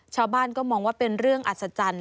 ชาวบ้านก็มองว่าเป็นเรื่องอัศจรรย์